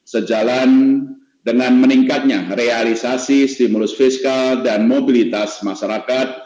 sejalan dengan meningkatnya realisasi stimulus fiskal dan mobilitas masyarakat